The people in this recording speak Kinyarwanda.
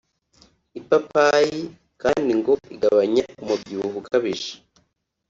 ipapayi kandi ngo igabanya umubyibuho ukabije